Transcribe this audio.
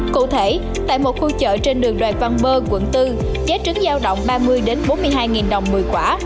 cụ thể tại một khu chợ trên đường loài văn bơ quận bốn giá trứng giao động ba mươi bốn mươi hai đồng một mươi quả